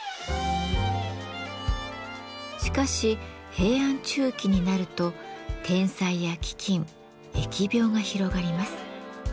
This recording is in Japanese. しかし平安中期になると天災や飢饉疫病が広がります。